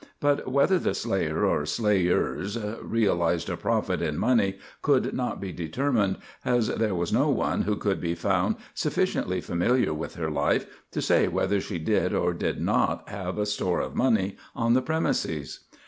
But whether the slayer or slayers realised a profit in money could not be determined as there was no one who could be found sufficiently familiar with her life to say whether she did or did not have a store of money on the premises.